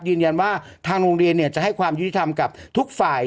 ยืนยันว่าทางโรงเรียนจะให้ความยุติธรรมกับทุกฝ่าย